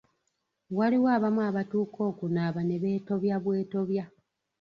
Waliwo abamu abatuuka okunaaba ne beetobya bwetobya.